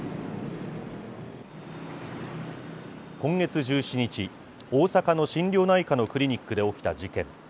今月１７日、大阪の心療内科のクリニックで起きた事件。